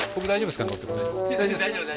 大丈夫